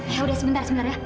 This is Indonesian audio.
ya sudah sebentar sebentar ya